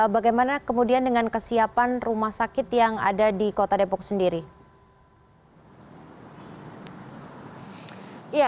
bagaimana kemudian dengan kesiapan rumah sakit yang ada di kota depok sendiri